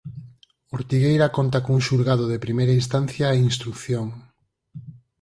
Ortigueira conta cun Xulgado de Primeira Instancia e Instrución.